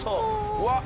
うわっ！